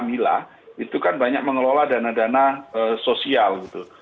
mila itu kan banyak mengelola dana dana sosial gitu